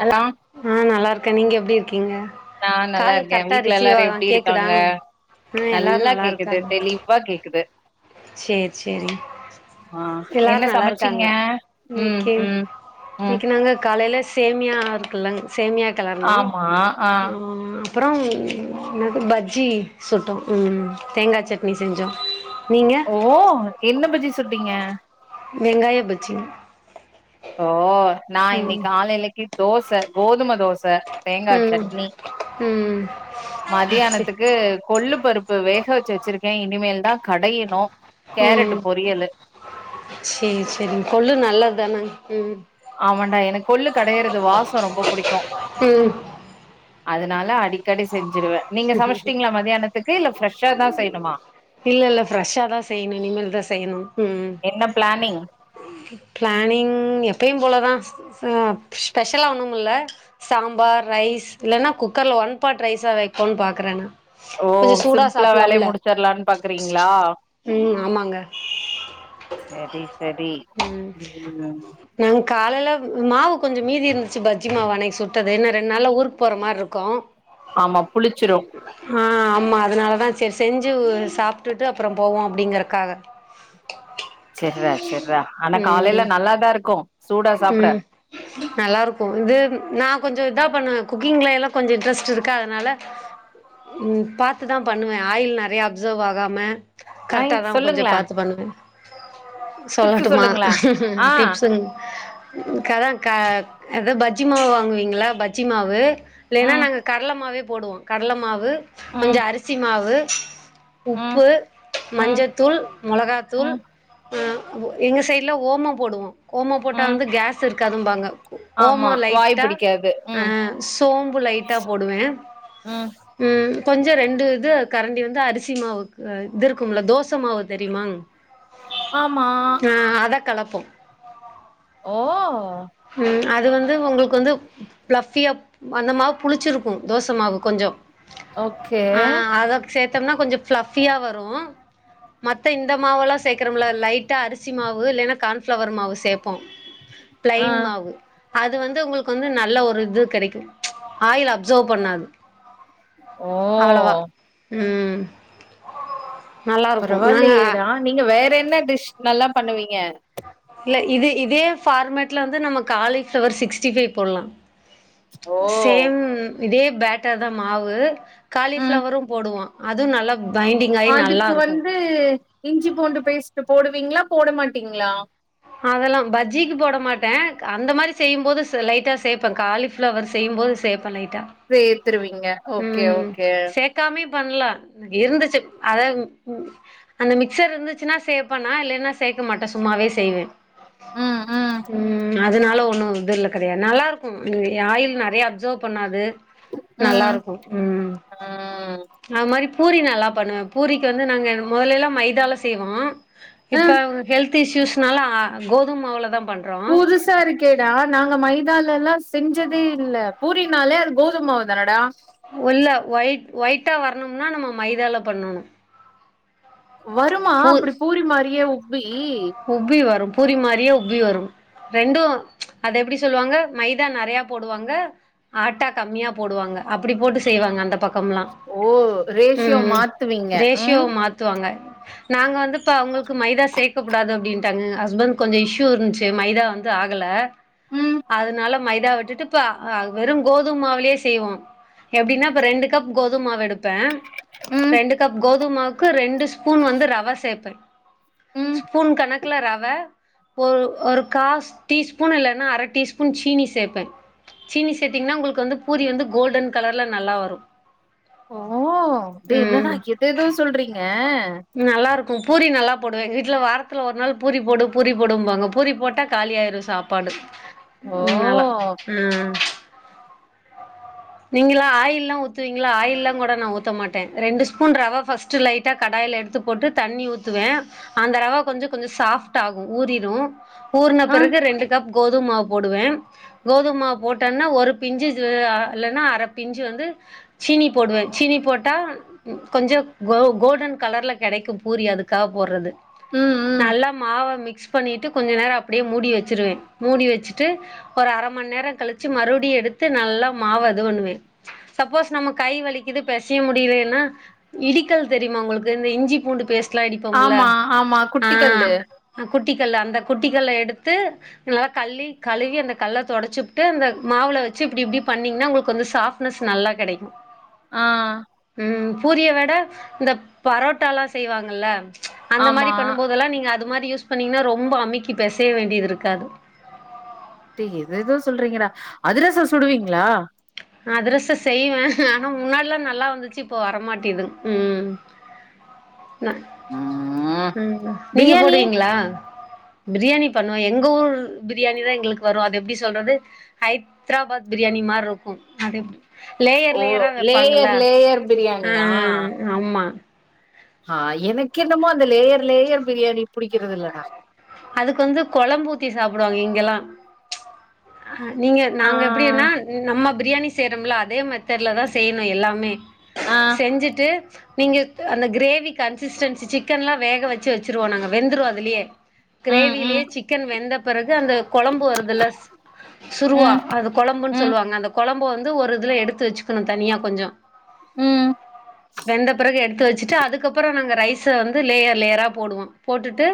hello ஆ நல்லா இருக்கே நீங்க எப்டி இருக்கீங்க நா நல்லா கால் இருக்க கரெக்டா வீட்ல ரிசீவ் ஆ எல்லாரு எப்டி இருக்காங்க கேக்குதாங் ஆ எல்லாரு நல்லா கேக்குது தெளிவா கேக்குது சேர் சேரி ஆ எல்லாரு என்ன நல்லா இருக்காங்க சமச்சீங்க ம் இன்னைக்கி ம் ம் இன்னைக்கி நாங்க காலைல சேமியா இருக்குல்லங் சேமியா கலருணோ ஆமா ஆ அப்புறோ என்னது பஜ்ஜி சுட்டோ ம் தேங்கா சட்னி செஞ்சோ நீங்க ஓ என்ன பஜ்ஜி சுட்டீங்க வெங்காய பஜ்ஜி ஓ நா இன்னைக் ம் காலைலைக்கி தோச கோதும தோச தேங்கா ம் சட்னி ம் சே மதியானத்துக்கு கொள்ளு பருப்பு வேக வச்சி வச்சிருக்கே இனிமேல் தா கடையணு ம் கேரட்டு பொரியலு சேரி சேரி கொள்ளூ நல்லது தானங் ம் ஆமான்டா எனக்கு கொள்ளு கடையறது வாசோ ரொம்பா புடிக்கு ம் அதனால அடிக் க்கடி செஞ்சிருவ நீங்க சமச்சுட்டீங்களா மதியானத்துக்கு இல்ல ஃப்ரெஷ்ஷா தா செய்ணுமா இல்ல இல்ல ஃப்ரெஷ்ஷா தா செய்யணு இனிமேல் தா செய்யணு ம் பிளானிங் ப்ளனிங் எப்பயு போல தா ஆ ஸ்பெஷலா ஒண்ணுமில்ல சாம்பார் ரைஸ் இல்லன்னா குக்கர்ல ஒன் பாட் ரைஸா வைப்போன் பாக்குற நா ஓ கொஞ்சோ சூடா சிம்ப்ளா வேலைய சாப்லாம்ல முடிச்சிர்லான் பாக்குறீங்ளா ம் ஆமாங்க சரி சரி ம் ம் நாங்க காலைல மாவு கொஞ்சோ மீதி இருந்துச்சு பஜ்ஜி மாவு அன்னைக்கி சுட்டது இன்னு ரெண்டு நாள்ல ஊருக்கு போற மாரி இருக்கு ஆமா புளிச்சு ஆ ஆமா அதனாலதா செரி செஞ்சு சாப்ட்டுட்டு அப்றோ போவோ அப்டிங்கறகாக செர்ரா செர்ரா ஆனா காலைல ம் நல்லாதாருக்கும் ம் நல்லாருக்கு இது நா கொஞ்சோ இதா பண்ணுவே குக்கிங்ல எல்லா கொஞ்சோ இன்ட்ரெஸ்ட் இருக்கா அதனால ம் பாத்துதா பண்ணுவே ஆயில் நெறைய அப்சர்வ் ஆகாம ஐ கரெட்டா தா கொஞ்சோ சொல்லுங்களே பாத்து பண்ணுவே டிப்ஸ் சொல்லட்டுமா சொல்லுங்களே ஆ டிப்ஸு கதா கா ஏதா பஜ்ஜி மாவு வாங்குவீங்கள்ல பஜ்ஜி மாவு இல்லேன்னா ம் நாங்க கடல மாவே போடுவோ கடல மாவு ம் கொஞ்சோ அரிசி மாவு ம் உப்பு ம் மஞ்சத்தூள் மொளகா தூள் ம் ஆ ஒ எங்க சைடுல ஓமம் போடுவோ ஓமம் போட்டா ம் வந்து கேஸ் இருக்காதுபாங்க ஆமா ஒமோ வாய் லைட்டா பிடிக்காது ஆ ம் சோம்பு லைட்டா போடுவே ம் ம் கொஞ்சோ ரெண்டு இது கரண்டி வந்து அரிசி மாவுக் அ இது இருக்கும்ல தோச மாவு தெரியுமா ஆமா ஆ அத கலப்போ ஓ ம் அது வந்து ஒங்களுக்கு வந்து ஃப்ளஃபியா அந்த மாவு புளிச்சிருக்கு தோச மாவு கொஞ்சோ ஓகே சேத்தோனா கொஞ்சோ ஃப்ளஃபியா வரு மத்த இந்த மாவு எல்லா சேக்றோம்ல லைட்டா அரிசி மாவு இல்லைன்னா கான்ஃப்ளவர் மாவு சேப்போ ஆ பிளைன் மாவு அது வந்து உங்களுக்கு வந்து நல்ல ஒரு இது கெடக்கு ஆயில் அப்சர்வ் பண்ணாது ஓ அளவா ம் நல்லாருக்கு நாங்க பரவாயில்லையேடா நீங்க வேறேன்ன டிஷ் நல்லா பண்ணுவீங்க இல்ல இது இதே ஃபார்மேட்ல வந்து நம்ம காலிஃபிளவர் சிக்ஸ்டி ஃபைவ் போடலா ஓ சேம் இதே பேட்டர் தா மாவு ம் காலிஃபிளவரும் போடுவோ அதும் நல்லா பைண்டிங்கா அதுக்கு வந்து இஞ்சி பூண்டு பேஸ்ட் போடுவீங்களா போட மாட்டீங்களா அதெல்லா பஜ்ஜிக்கு போட மாட்டே அந்த மாரி செய்யும்போது லைட்டா சேப்பே காலி ஃப்ளவர் செய்யும்போது சேப்பே லைட்டா சேத்திருவீங்க ஓகே ஓகே கம்மி பண்ல இருந்துச்சு அத ம் ம் அந்த மிக்சர் இருந்துச்சுன்னா சேப்பே நா இல்லைன்னா சேக்க மாட்டே சும்மாவே செய்வே ம் ம் ம் அதனால ஒண்ணு இதுல கெடையாது நல்லாருக்கு ஏ ஆயில் நெறைய அப்சர்வ் பண்ணாது ம் ம் நல்லாருக்கு ம் அது மாரி பூரி நல்லா பண்ணுவே பூரிக்கு வந்து நாங்க முதலெல்லா மைதால செய்வோ அ இப்போ வ ஹெல்த் இஷ்யூஸ்னால அ கோதும மாவ்ல தா பண்றோ புதுசாருக் கேடா நாங்க மைதால எல்லா செஞ்சதேல்ல பூரினாலே அது கோதும மாவு தானடா உள்ள ஒயிட் ஒயிட்டா வரணும்னா நம்ம மைதால பண்ணணு வருமா அப்டி பூரி மாரியே உப்பி உஃப்பி வரும் பூரி மாரியே உஃப்பி வரும் ரெண்டு அது எப்டி சொல்லுவாங்க மைதா நெறைய போடுவாங்க ஆட்டா கம்மியா போடுவாங்க அப்பிடி போட்டு செய்வாங்க அந்த பக் கம்லா ஓ ம் ரேஷியோ ம் மாத்துவீங்க ரேஷியோ ம் மாத் துவாங்க நாங்க வந்து பா உங்ளுக்கு மைதா சேக் கக்கூடாது அப்டின்டாங்க ஹஸ்பண்ட்க்கு கொஞ்சோ இஷ்யூ இருந்துச்சி மைதா வந்து ஆகல ம் அதனால மைதா விட்டுட்டு இப்ப அ வெறு கோதும்மாவுலே செய்வோ எப்டின்னா இப்ப ரெண்டு கப் கோதும் மாவு எடுப்பே ம் ரெண்டு கப் கோதுமாவுக்கு ரெண்டு ஸ்பூன் வந்து ரவ சேப்பே ம் ஸ்பூன் கணக்குல ரவ ஒரு ஒரு காஃப் டீ ஸ்பூன் இல்லன்னா அர டீஸ்பூன் சீனி சேப்பே சீனி சேத்தீங்ன்னா உங்களுக்கு வந்து பூரி வந்து கோல்டன் கலர்ல நல்லா வரு ஓ டே என்னடா எதேதோ சொல்றீங்க நல்லாருக்கு பூரி நல்லா போடுவே எங் வீட்ல வாரத்தில ஒரு நாள் பூரி போடு பூரி போடும்பாங்க பூரி போட்டா காலியாயிரு சாப்பாடு ஓ மூன் நாளா உம் நீங்களா ஆயில் லா ஊத்துவீங்களா ஆயில் லா கூட நா ஊத்த மாட்டே ரெண்டு ஸ்பூன் ரவ ஃபஸ் ட்டு லைட்டா கடாய்ல எடுத்து போட்டு தண்ணி ஊத்துவே அந்த ரவ கொஞ்ச கொஞ்ச சாஃப்ட் ஆகு ஊறிரு ஊறுன அ பெறகு ரெண்டு கப் கோதும் மாவு போடுவே கோதும் மாவு போட்டோன்ன ஒரு பிஞ்சு அ இல்லனா அரப்பிஞ்சு வந்து சீனி போடுவே சீனிப் போட்டா கொஞ்ச கோ கோல்டன் கலர்ல கெடைக்கு பூரி அதுக்காக போறது ம் ம் நல்லா மாவ மிக்ஸ் பண்ணிட்டு கொஞ்ச நேரோ அப்டியே மூடி வச்சிருவே மூடி வெச்சுட்டு ஒரு அரமண் நேரோ கழுச்சு மறுபடியு எடுத்து நல்லா மாவ இது பண்ணுவே சப்போஸ் நம்ம கை வலிக்குது பெசிய முடிலேன்னா இடிக்கல் தெரிமா உங்களுக்கு இந்த இஞ்சி பூண்டு பேஸ்ட்லா இடிப்போம்ல ஆமா ஆமா குட்டிக்கல் ஆஹ் குட்டிக்கல்ல அந்த குட்டிக்கல்ல எடுத்து நல்லா கள்ளி கழுவி அந்த கல்ல தொடச்சுப்ட்டு அந்த மாவுல வச்சு இப்டி இப்டி பண்ணீங்ன்னா உங்களுக்கு வந்து சாஃப்ட்னஸ் நல்லா கெடைக்கு ஆஹ் பூரிய வெட இந்த பரோட்டா லா செய்வாங்கல்ல அந்த ஆமா மாரி பண்ணுபோதெல்லா நீங்க அது மாரி யூஸ் பண்ணீங்னா ரொம்ப அமுக்கி பெசைய வேண்டியது இருக்காது டே எதேதோ சொல்றீங்கடா அதிரசோ சுடுவீங்ளா அதிரசோ செய்வே ஆனா முன்னாடி லா நல்லா வந்துச்சு இப்போ வரமாட்டேது உம் நா ம் ம்ம் நீங்க பிரியாணி போடுவீங்ளா பிரியாணி பண்ணுவே எங்க ஊர் பிரியாணிதா எங்களுக்கு வரு அது எப்டி சொல்றது ஹைத்ராபாத் பிரியாணி மார்ருக்கு அது எப் லேயர் ஓ லேயரா வப்பாங்கல லேயர் லேயர் பிரியாணியா ம் ஆமா ஆஹ் எனக் கென்னமோ அந்த லேயர் லேயர் பிரியாணி புடிக்கிறது இல்லடா அதுக்கு வந்து கொழம்பூத்தி சாப்டுவாங்க இங்கெல்லா அஹ் நீங்க ஆ நாங்க எப்டினா நம்ம பிரியாணி செயறம்ல அதே மெத்தடுல தா செய்யணு எல்லாமே ஆ செஞ்சிட்டு நீங்க அந்த கிரேவி கன்சிஸ்டன்சி சிக்கன் லா வேக வெச்சு வெச்சுருவோ நாங்க வெந்துரு அதுலயே ம் கிரேவிலயே ம் சிக்கன் வெந்த பெறகு அந்த கொழம்பு வருது ஸ் சுருவா ம் அது கொழம்புன் ம் சொல்வாங்க அந்த கொழம்பு வந்து ஒரு இதுல எடுத்து வச்சுக்ணு தனியா கொஞ்சோ ம் வெந்த பெறகு எடுத்து வெச்சிட்டு அதுக்கப்புறோ நாங்க ரைஸ் ஸ வந்து லேயர் லேயரா போடுவோ போட்டுட்டு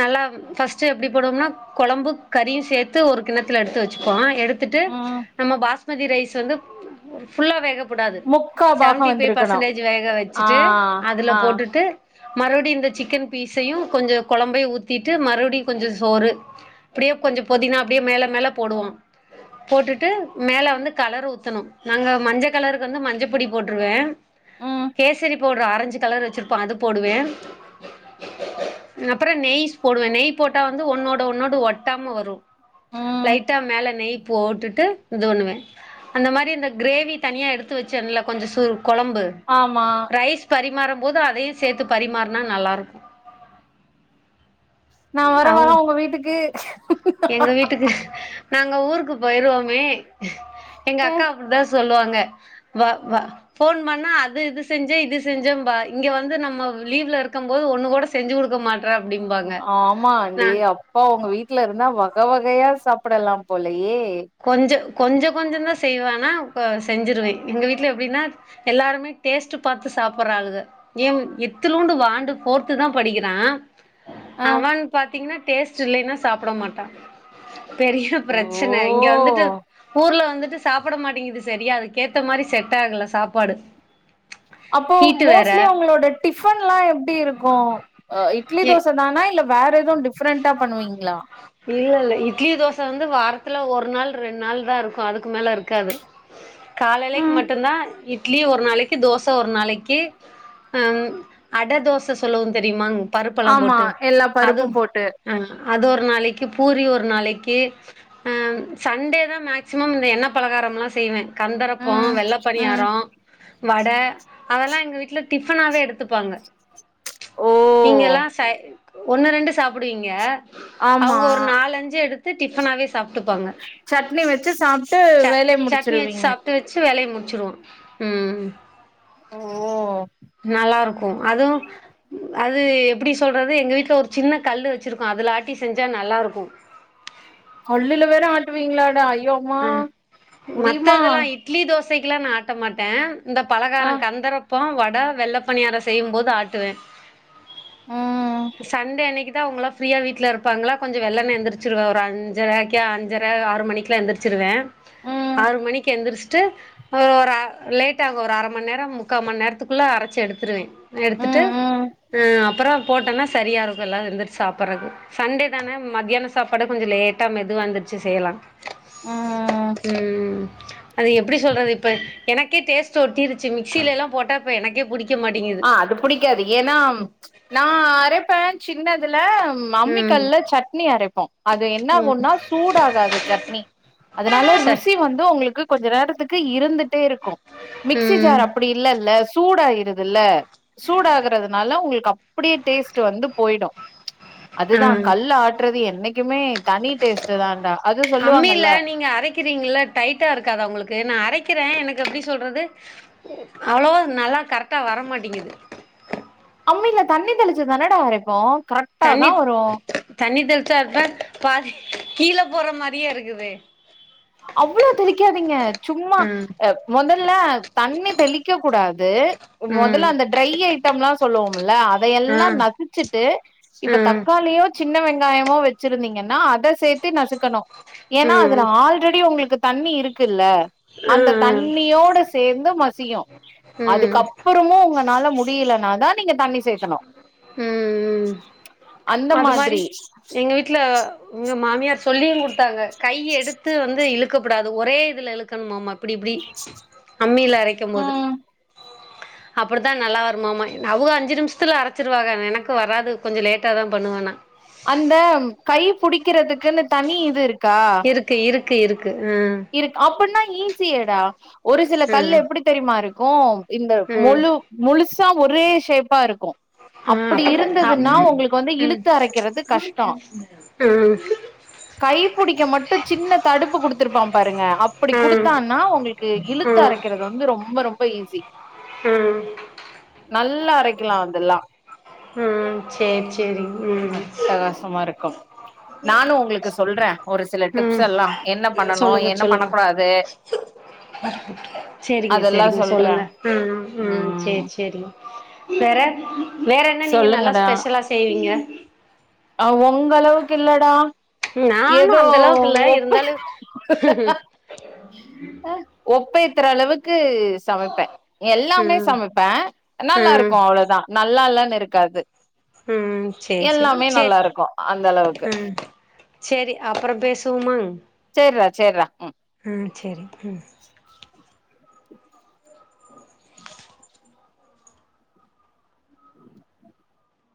நல்லா ஃபர்ஸ்ட் எப்டி போடுவோம்னா கொழம்பு கறியு சேத்து ஒரு கிண்ணத்துல எடுத்து வச்சுப்போ எடுத் துட்டு ம் நம்ம பாஸ்மதி ரைஸ் வந்து ஃபுல்லா வேகப்புடாது முக்கா பாகோ செவன்டி ஃபை வந்திருக்கணு பர்சன்டேஜ் வேக ஆ வச்சிட்டு அதுல ஆ போட்டுட்டு மறுபடியு இந்த சிக்கன் பீஸையு கொஞ்சோ கொழம் பையு ஊத்திட்டு மறுபடியு கொஞ்சோ சோறு அப்டியே கொஞ்சோ பொதினா அப்டியே மேல மேல போடுவோ போட்டுட்டு மேல வந்து கலர் ஊத்தணு நாங்க மஞ்ச கலருக்கு வந்து மஞ்சப்பொடி போட்டுருவே ம் கேசரி பவ்டுரு ஆரஞ்சு கலர் வச்சிருப்போ அது போடுவே அப்பற நெய்ஸ் போடுவே நெய் போட்டா வந்து ஒன்னோட ஒன்னோடு ஒட்டாம வரு ம் லைட்டா மேல நெய் போட்டுட்டு இது வண்ணுவே அந்த மாரி இந்த கிரேவி தனியா எடுத்து வச்சேன்ல கொஞ்ச சுர் கொழம்பு ஆமா ரைஸ் பரிமாறம் போது அதையு சேத்து பரிமாற்னா நல்லா இருக்கு நா வர வா அவுங் உங்க வீட்டுக்கு எங்க வீட்டுக்கு நாங்க ஊருக்கு போயிருவோமே எங்க அக்கா அப்டிதா சொல்லுவாங்க வ வ ஃபோன் பண்ணா அது இது செஞ்சே இது செஞ்சேம்பா இங்க வந்து நம்மவ் லீவ்ல இறக்கம் போது ஒண்ணு கூட செஞ்சு குடுக்க மாட் ட்ர அப்டிம்பா ஆமாண் டே அப்பா உங்க வீட்ல இருந்தா வக வகையா சாப்படலாம் போலயே கொஞ்ச கொஞ்ச கொஞ்சந்தா செய்வே ஆனா கொ செஞ்சிருவே எங்க வீட்ல எப்டினா எல்லாருமே டேஸ்ட்டு பாத்து சாப்பற ஆலுக இம் இத்துலூண்டு வாண்டு ஃபோர்த்து தா படிக்கிறா ஆ அவன் பாத்தீங்னா டேஸ்ட் இல்லைன்னா சாப்பட மாட்டா பெரிய ஓ பிரச்சன இங்க வந்துட்டு ஊர்ல வந்துட்டு சாப்பட மாட்டேங்கிது சரியா அதுக்கேத்த மாரி செட் ஆகல சாப்பாடு அப்போ ஹீட்டு வேற மோஸ்ட்லி உங்களோட டிஃபன்ல்லா எப்டி இருக்கு அ இட்லி எ தோச தானா இல்ல வேற எது டிஃப்ரெண்டா பண்ணுவீங்ளா இல்ல இல்ல இட்லி தோச வந்து வாரத்துல ஒரு நாள் ரெண் நாள்தா இருக்கு அதுக்கு மேல இருக்காது காலலைக் ம் மட்டுந்தா இட் லி ஒரு நாளைக்கி தோச ஒரு நாளைக்கி அ அட தோச சொல்லுவோந் தெரியுமாங் பருப்பெல்லா ஆமா போட்டு எல்லா அது பருப்பு போட்டு ஆ அது ஒரு நாளைக்கு பூரி ஒரு நாளைக்கி ஆ சண்டே தா மேக்சிமம் இந்த எண்ணெப் பலகாரமெல்லா செய்வே கந்தரப்போ ம் வெள்ள ம் பணியாரோ வட அதல்லா எங்க வீட்ல டிஃபனாவே எடுத்துப்பாங்க ச் ஓ நீங்க எல்லா சை கு ஒன்னு ரெண்டு சாப்டுவீங்க ஆமா அவுங்க ஒரு நாலஞ்சு எடுத்து டிஃபனாவே சாப்ட்டுப்பாங்க சட்னி வச்சு சாப்ட்டு ச வேலைய சட்னி வெச்சு முடிச்சிருவீங்க சாப் டு வெச்சு வேலைய முடிச்சுடுவோ ம் ஓ நல்லாருக்கு அது அது எப்டி சொல்றது எங்க வீட்ல ஒரு சின்ன கல்லு வச்சிருக்கோ அதுல ஆட்டி செஞ்சா நல்லாருக்கு கல்லுல வேற ஆட்டுவீங்களாட ஐயோ அம்மா ம் மத்த முடிமா இதெல்லா இட்லி தோசைக்கெல்லா நா ஆட்ட மாட்டே இந்த பலகார ஆ கந்தர ப்பம் வட வெள்ளப் பனியாரோ செய்யும்போது ஆட்டுவே ம் சண்டே அன்னக்கி தா அவுங்கல்லா ஃப்ரீயா வீட்ல இருப்பாங்களா கொஞ்ச வெள்ளென்ன எந்திரிச்சிருவ ஒரு அஞ்சறைக்கி அஞ்சற ஆறு மணிக் கிலா எந்திரிச்சிருவே ம் ஆறு மணிக்கு எந்திரிச்சிட்டு ஓ ரா லேட்டாகு ஒரு அர மண் நேர முக்கா மண் நேரத்துக்குள்ள அரச்சி எடுத்துருவே அ எடுத்துட்டு ம் ம் ஆ அப்பறோ போட்டேன்னா சரியாருக்கு எல்லாரு எந்திரிச்சு சாப்பற்ருக்கு சண்டே தானே மத்யான சாப்பாட கொஞ்ச லேட்டா மெதுவா எந்திரிச்சி செய்யலா ம் ம் அது எப்டி சொல்றது இப்ப எனக்கே டேஸ்ட் டு ஒட்டிரிச்சி மிக்ஸிலல்லா போட்டா இப்ப எனக்கே புடிக்க மாட்டிங்கிது ஆ அது புடிக்காது ஏனா நா அரைப்பே சின்னதுல நா அம்மி ம் கல்ல சட்னி அரைப்போ அது என்ன ம் ஆகுன்னா சூடாகாது சட்னி அதனால ச ருசி வந்து ஒங்களுக்கு கொஞ்ச நேரத்துக்கு இருந்துட்டே இருக்கு மிக்ஸி ஜார் ம் அப்டி இல்லெல்ல சூடாயிரு தில்ல சூடாகறதுனால உங்ளுக்கு அப்டியே டேஸ்ட்டு வந்து போய்டு ஆ அதுதா கல்ல ஆட்றது என்னக்கிமே தனி டேஸ்ட்டு தான்டா அது சொல்லுவாங்கல்ல க்கிறீங்கள டைட்டா இருக்காதா உங்ளுக்கு நா அரைக்கிறே எனக்கு எப்டி சொல்றது அவ்ளோவ நல்லா கரெக்டா வரமாட்டிங்கிது அம்மில்ல தண்ணி தெளிச்சு தானேடா அரைப்போ கரெட் தண்ணி தண்ணி தெளிச்சா தா பாதி கீழ போற மாரியே இருக்குதே அவ்ளோ தெளிக்காதீங்க சும்மா ம் அ மொதல்ல தண்ணி தெளிக்க கூடாது ம் மொதல்ல அந்த ட்ரை ஐட்டம்ல சொல்லுவோம்ல ஆ அதயெல்லா நசிச்சுட்டு இப்ப ம் தக்காளியோ சின்ன வெங்காயமோ வெச்சிருதீங்கன்னா அத சேத்து நசுக்கணு ஏனா அதுல ம் ஆல் ரெடி உங்ளுக்கு தண்ணி இருக்குல்ல அந்த ம் தண்ணியோட சேந்து மசியு ம் ம் அதுக்கப் ப்றமு ஒங்கனால முடியலனாதா நீங்க தண்ணி சேத்தணு ம் ம் அது மாரி மாதிரி எங்க வீட்ல எங்க மாமியார் சொல்லியு குடுத்தாங்க கைய எடுத்து வந்து இழுக்கபுடாது ஒரே இதுல இழுக்கணுமாமா இப்டி இப்டி அம்மில அரைக்கம்போது ம் அப்படிதா நல்லா வருமாமா அவுக அஞ்சு நிம்ஷத்துல அர ச்சிருவாக எனக்கு வராது கொஞ்சோ லேட்டா தா பண்ணுவே நா அந்த கை புடிக்கிறதுக்குன்னு தனி இது இருக்கா இருக்கு இருக்கு இருக்கு ஆ இருக்கு அப்பன்னா ஈஸியேடா ஒரு சில ஆ கல்லு எப்டி ம் தெரிமாருக்கு இந்த ம் மொழு முழுசா ஒரே ஷேப்பாருக்கு ஆ அப்டி அ இருந்ததுன்னா ம் ஒங்களுக்கு வந்து ம் இழுத்து அரைக்கிறது கஷ்டோ கை புடிக்க மட்டு சின்ன தடுப்பு குடுத்துருப்பா பாருங்க அப்டி ம் குடுத்தான்னா ஒங்களுக்கு இழுத்து ம் அரைக்கிறது வந்து ரொம்ப ரொம்ப ஈஸி ம் நல்லா அரைக்லா அதெல்லா ம் சேரி சேரி ம் அட்டகாசமாருக்கும் நானு உங்களுக்கு சொல்ற ஒரு சில டிப்ஸ் ம் எல்லா என்ன பண்ணனு என்ன பண்ண குடாது தே செரிங்க செரிங்க சொல்றே சொல்லுங்க ம் ம் சேர் செரிங்க வேற வேற என்ன நீங்க நல்லா சொல்லுங்கடா ஸ்பெஷலா செய்வீங்க வொங்க அளவுக்கு இல்லடா நானு ஏதோ அந்த அளவுக்கு இல்ல ஒப் இருந்தாலு ஒப்பேத்துற அளவுக்கு சமைப்பே எல்லாமே ம் சமைப்பே நல்லா ம் இருக்கு அவ்ளோதா நல்லால்லன்னு இருக்காது ம்ம் சேரி சேரி மே நல்லா இருக்கு அந்த அளவுக்கு செரி அப்பறம் பேசுவோமாங் சேர்ரா சேர்ரா ம் ம் சரி ம்